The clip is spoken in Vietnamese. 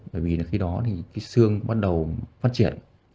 bởi vì là khi đó thì cái xương bắt đầu phát triển